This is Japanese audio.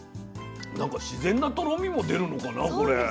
なんか自然なとろみも出るのかなこれ。